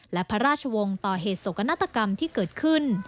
และพระราชวงศ์ต่อเหตุโศกนาฏกรรมที่เกิดขึ้น